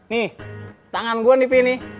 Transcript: nih tangan gua nih v nih